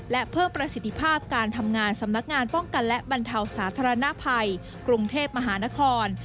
และเพิ่มประสิทธิภาพการทำงานสำนักงานป้องกันและบรรเทาสาธารณภัยกรุงเทพมหานคร